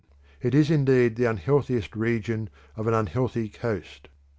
It is indeed the unhealthiest region of an unhealthy coast.